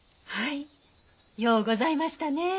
はいようございましたね。